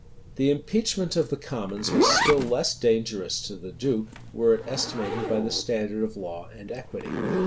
123, etc The impeachment of the commons was still less dangerous to the duke, were it estimated by the standard of law and equity.